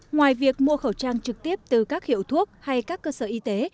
ngoài việc mua khẩu trang trực tiếp từ các hiệu thuốc hay các cơ sở y tế